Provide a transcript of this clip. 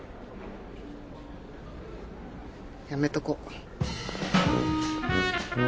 やめとこ。